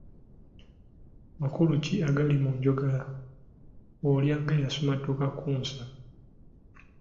Makulu ki agali mu njogera "Olya nga eyasimattuka Kkunsa"?